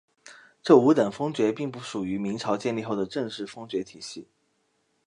这五等封爵并不属于明朝建立后的正式封爵体系。